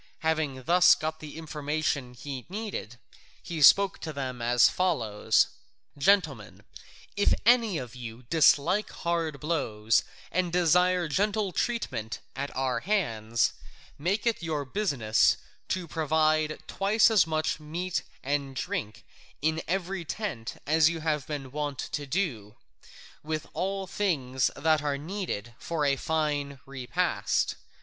Having thus got the information he needed, he spoke to them as follows: "Gentlemen, if any of you dislike hard blows and desire gentle treatment at our hands, make it your business to provide twice as much meat and drink in every tent as you have been wont to do, with all things that are needed for a fine repast.